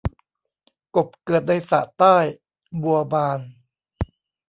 กบเกิดในสระใต้ บัวบาน